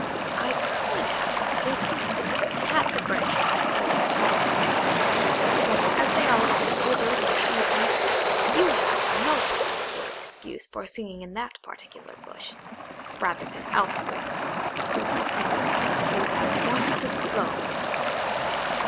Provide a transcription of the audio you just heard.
I could have forgiven you, had the branches been full of haws; but as they are all withered or eaten, you have no particular excuse for singing in that particular bush, rather than elsewhere, so let me request you at once to go."